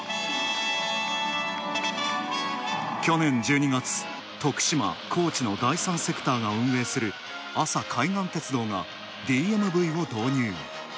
去年１２月、徳島、高知の第３セクターが運営する阿佐海岸鉄道がＤＭＶを導入。